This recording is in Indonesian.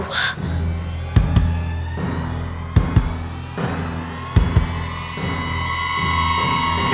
aduh aduh aduh